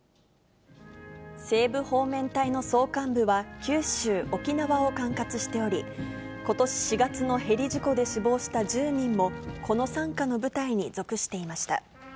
西部方面隊の総監部は、九州・沖縄を管轄しており、ことし４月のヘリ事故で死亡した１０人も、この傘下の部隊に属していました。